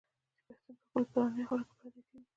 چي پښتون په خپلي پلرنۍ خاوره کي پردی کوي